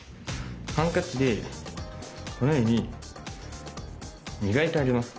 ハンカチでこのように磨いてあげます。